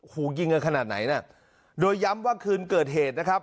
ยิงกันขนาดไหนน่ะโดยย้ำว่าคืนเกิดเหตุนะครับ